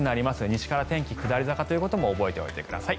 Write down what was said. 西から天気が下り坂ということも覚えておいてください。